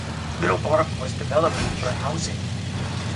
Little Park was developed for housing.